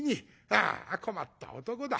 ああ困った男だ。